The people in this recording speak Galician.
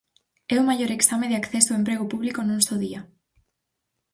É o maior exame de acceso ao emprego público nun só día.